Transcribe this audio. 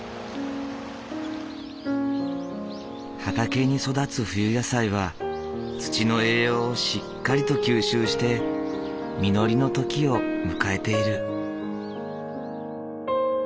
畑に育つ冬野菜は土の栄養をしっかりと吸収して実りの時を迎えている。